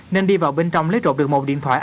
nên đi vào bên trong lấy trộn được một điện thoại